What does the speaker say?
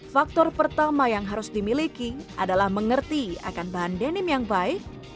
faktor pertama yang harus dimiliki adalah mengerti akan bahan denim yang baik